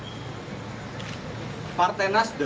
sebagai partai yang pertama kali